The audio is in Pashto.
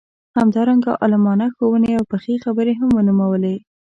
همدارنګه عالمانه ښووني او پخې خبرې هم نومولې.